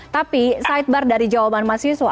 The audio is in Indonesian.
tapi sidebar dari jawaban mas yusuf